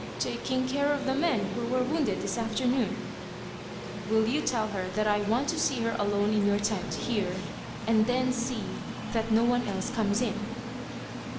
"Taking care of the men who were wounded this afternoon." "Will you tell her that I want to see her alone in your tent, here, and then see that no one else comes in?"